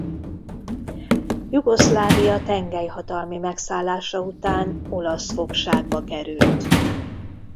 Jugoszlávia tengelyhatalmi megszállása után olasz fogságba került.